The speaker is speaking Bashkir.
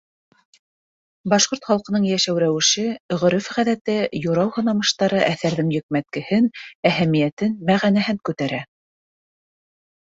Башҡорт халҡының йәшәү рәүеше, ғөрөф-ғәҙәте, юрау- һынамыштары әҫәрҙең йөкмәткеһен, әһәмиәтен, мәғәнәһен күтәрә.